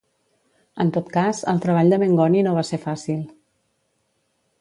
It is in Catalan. En tot cas, el treball de Mengoni no va ser fàcil.